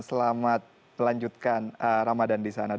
selamat lanjutkan ramadhan di sana